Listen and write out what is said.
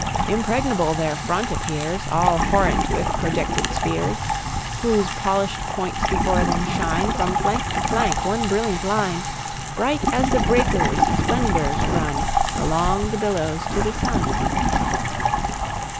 Impregnable their front appears, All horrent with projected spears. Whose polished points before them shine, From flank to flank, one brilliant line, Bright as the breakers' splendours run Along the billows to the sun.